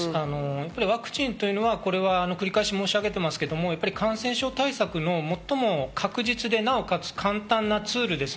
やっぱりワクチンというのは繰り返し申し上げていますけど、感染症対策の最も確実で、なおかつ簡単なツールです。